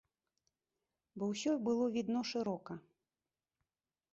Бо ўсё было відно шырока.